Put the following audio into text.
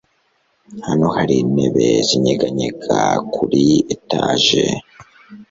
hano hari intebe zinyeganyega kuri etage